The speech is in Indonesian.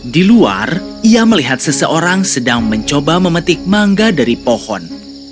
di luar ia melihat seseorang sedang mencoba memetik mangga dari pohon